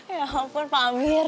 ya ampun pak amir